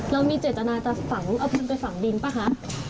เรามีเจ็ดตอนนั้นจะฝังเอาคุณไปฝังลิงป่ะคะ